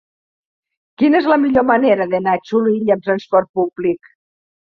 Quina és la millor manera d'anar a Xulilla amb transport públic?